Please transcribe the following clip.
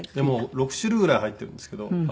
もう６種類ぐらい入ってるんですけど。